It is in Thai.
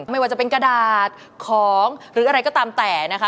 ไม่ว่าจะเป็นกระดาษของหรืออะไรก็ตามแต่นะคะ